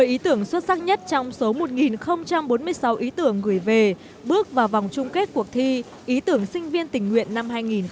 một mươi ý tưởng xuất sắc nhất trong số một bốn mươi sáu ý tưởng gửi về bước vào vòng chung kết cuộc thi ý tưởng sinh viên tình nguyện năm hai nghìn một mươi chín